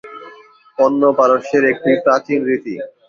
পণ পারস্যের একটি প্রাচীন রীতি।